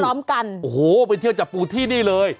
โอ้โฮไปเที่ยวจับปูที่นี่เลย